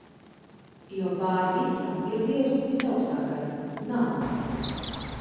Jo pāri visam ir dievs visaugstākais – nauda.